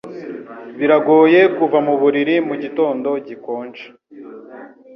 Biragoye kuva muburiri mugitondo gikonje.